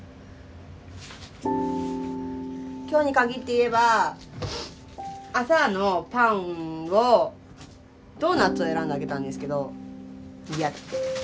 今日に限って言えば朝のパンをドーナツを選んであげたんですけど嫌だって。